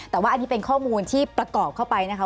แต่ว่าอันนี้เป็นข้อมูลที่ประกอบเข้าไปนะคะ